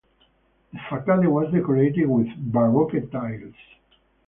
The facade was decorated with baroque tiles.